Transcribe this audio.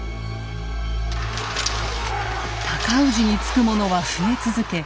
尊氏につく者は増え続け